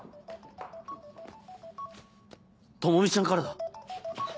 朋美ちゃんからだ。